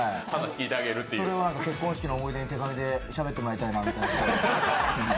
結婚式の思い出に手紙でしゃべってもらいたいなって。